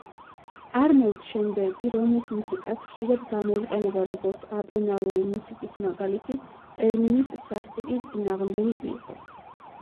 არნოლდ შენბერგი, რომლის მუსიკაც ხშირად გამოიყენება, როგორც ატონალური მუსიკის მაგალითი, ტერმინის სასტიკი წინააღმდეგი იყო.